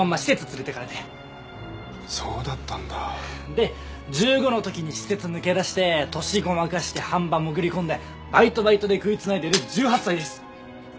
で１５の時に施設抜け出して年ごまかして飯場潜り込んでバイトバイトで食い繋いでる１８歳です！